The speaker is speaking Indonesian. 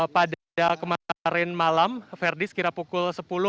pada kemarin malam verdi sekira pukul sepuluh